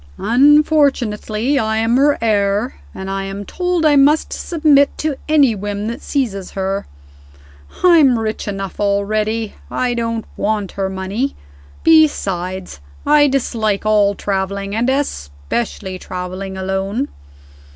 Unfortunately, I am her heir; and I am told I must submit to any whim that seizes her. I'm rich enough already; I don't want her money. Besides, I dislike all traveling and especially traveling alone.